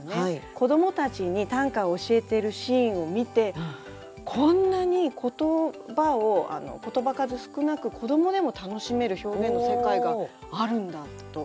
子どもたちに短歌を教えてるシーンを見てこんなに言葉を言葉数少なく子どもでも楽しめる表現の世界があるんだと思いました。